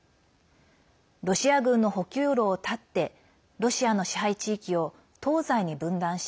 ロシア軍の補給路を断ってロシアの支配地域を東西に分断し